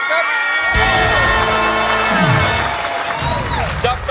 ร้องได้